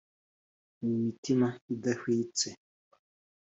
n'imitima idahwitse: